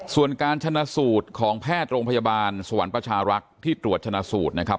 ส่วนการชนะสูตรของแพทย์โรงพยาบาลสวรรค์ประชารักษ์ที่ตรวจชนะสูตรนะครับ